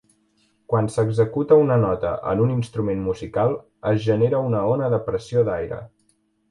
Quan s'executa una nota en un instrument musical es genera una ona de pressió d'aire.